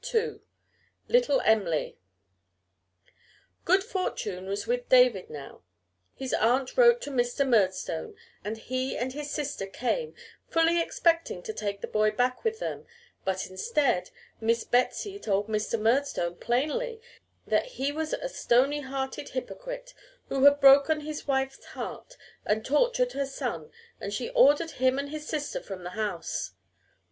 II LITTLE EM'LY Good fortune was with David now. His aunt wrote to Mr. Murdstone, and he and his sister came, fully expecting to take the boy back with them, but, instead, Miss Betsy told Mr. Murdstone plainly that he was a stony hearted hypocrite, who had broken his wife's heart and tortured her son, and she ordered him and his sister from the house.